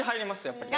やっぱり。